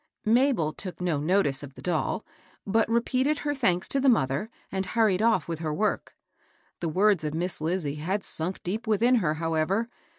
Mabel took no notice of the doll, but repeated her thanks to the mother, and hurried off with her work. The words of Miss Lizie had sunk deep within her, however.